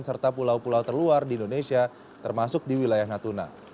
serta pulau pulau terluar di indonesia termasuk di wilayah natuna